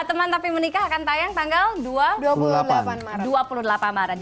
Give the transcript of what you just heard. teman tapi menikah akan tayang tanggal dua puluh delapan maret